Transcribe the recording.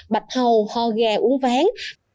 bạch hầu hò gà uốn ván